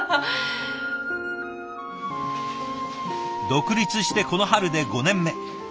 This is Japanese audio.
独立してこの春で５年目。